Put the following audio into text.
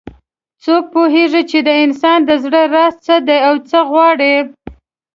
څوک پوهیږي چې د انسان د زړه راز څه ده او څه غواړي